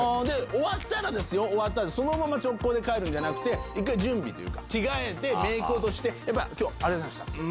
で終わったらそのまま直行で帰るんじゃなくて準備というか着替えてメイク落とししてありがとうございました。